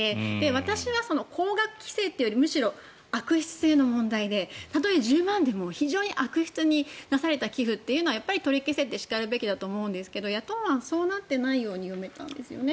私は高額規制というよりむしろ悪質性の問題でたとえ１０万でも非常に悪質になされた寄付ってやっぱり取り消せてしかるべきだと思うんですが野党案、そうなっていないように読めたんですよね。